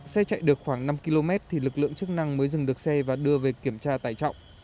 xe chạy được khoảng năm km thì lực lượng chức năng mới dừng được xe và đưa về kiểm tra tải trọng